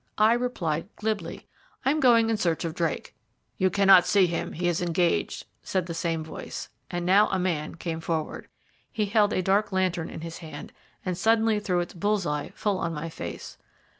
I replied glibly, "I am going in search of Drake." "You cannot see him, he is engaged," said the same voice, and now a man came forward. He held a dark lantern in his hand and suddenly threw its bull's eye full on my face.